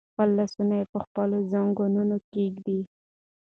خپل لاسونه په خپلو زنګونونو کېږدئ.